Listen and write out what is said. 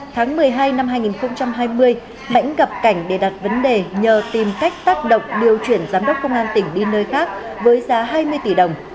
tháng một mươi hai năm hai nghìn hai mươi mãnh gặp cảnh để đặt vấn đề nhờ tìm cách tác động điều chuyển giám đốc công an tỉnh đi nơi khác với giá hai mươi tỷ đồng